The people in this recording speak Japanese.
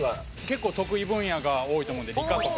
結構得意分野が多いと思うんで理科とか特に。